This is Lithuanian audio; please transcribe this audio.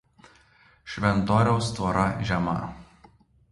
Šventoriaus tvora žema.